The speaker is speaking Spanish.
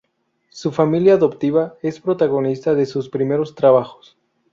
Su familia adoptiva es protagonista de sus primeros trabajos.